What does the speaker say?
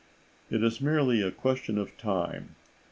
It is merely a question of time.